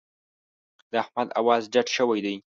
د احمد اواز ډډ شوی دی.